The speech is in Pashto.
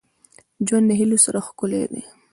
• ژوند د هيلو سره ښکلی دی.